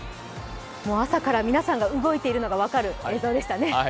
朝から皆さんが動いているのが分かる映像でしたね。